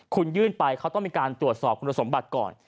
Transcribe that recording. คุณยื่นไปเขาต้องมีการตรวจสอบคุณสมบัติก่อน